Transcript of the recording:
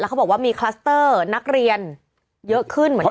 เขาบอกว่ามีคลัสเตอร์นักเรียนเยอะขึ้นเหมือนกัน